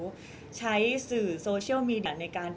ก็ต้องฝากพี่สื่อมวลชนในการติดตามเนี่ยแหละค่ะ